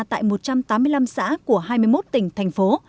tại một trăm tám mươi năm xã của hai mươi một tỉnh thành phố